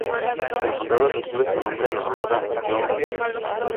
El condado recibe su nombre en honor a John Jay.